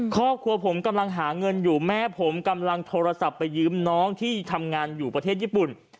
ครอบครัวผมกำลังหาเงินอยู่แม่ผมกำลังโทรศัพท์ไปยืมน้องที่ทำงานอยู่ประเทศญี่ปุ่น